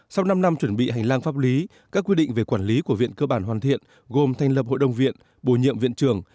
sau năm năm chuẩn bị hành lang pháp lý các quy định về quản lý của viện cơ bản hoàn thiện gồm thành lập hội đồng viện bổ nhiệm viện trường